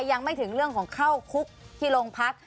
ยังไม่ถึงเรื่องของเข้าคุกที่โรงพัก